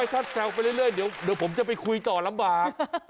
ถ้าแซวไปเรื่อยเดี๋ยวผมจะไปคุยต่อลำบาก